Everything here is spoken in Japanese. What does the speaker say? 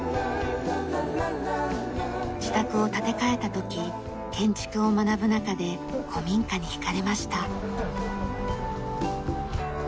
自宅を建て替えた時建築を学ぶ中で古民家に引かれました。